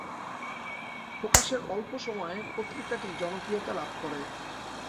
প্রকাশের অল্প সময়ে পত্রিকাটি জনপ্রিয়তা লাভ করে।